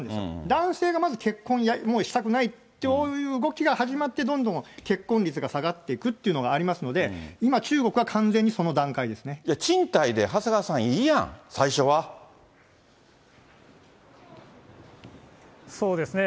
男性がまず結婚もうしたくないっていう始まってどんどん結婚率が下がっていくっていうのがありますので、今、中国は完全にその段賃貸で長谷川さん、いいやん、そうですね。